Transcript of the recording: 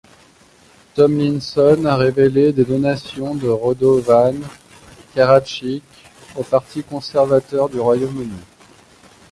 Tomlinson a révélé des donations de Radovan Karadžić au Parti Conservateur du Royaume-Uni.